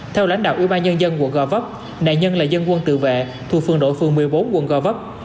theo lãnh đạo ủy ban nhân dân quận gò vấp nạn nhân là dân quân tự vệ thuộc phương đội phường một mươi bốn quận gò vấp